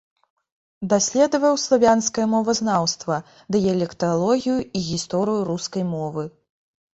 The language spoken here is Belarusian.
Даследаваў славянскае мовазнаўства, дыялекталогію і гісторыю рускай мовы.